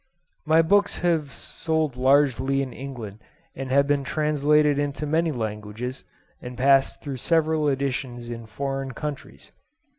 My books have sold largely in England, have been translated into many languages, and passed through several editions in foreign countries.